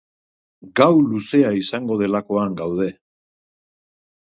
Gau luzea izango delakoan gaude.